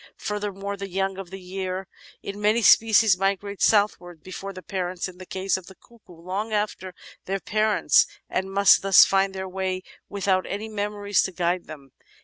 Furthermore, the young of the year in many species migrate southwards before the parents — in the case of the Cuckoo, long after their parents — and must thus find their way without any memories to guide them.